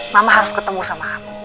mama harus ketemu sama aku